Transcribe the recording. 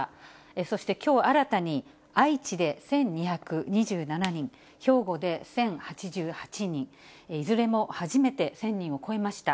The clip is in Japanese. そしてきょう新たに愛知で１２２７人、兵庫で１０８８人、いずれも初めて１０００人を超えました。